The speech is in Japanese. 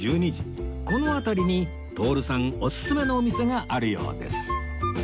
この辺りに徹さんオススメのお店があるようです